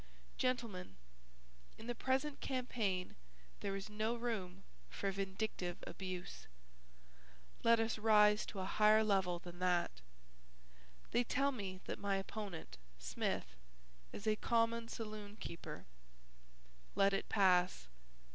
Gentlemen, in the present campaign there is no room for vindictive abuse. Let us rise to a higher level than that. They tell me that my opponent, Smith, is a common saloon keeper. Let it pass.